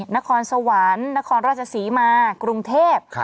นครสวรรค์นครราชศรีมากรุงเทพ